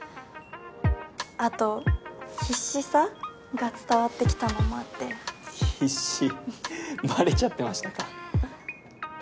あと必死さ？が伝わってきたのもあって必死バレちゃってましたか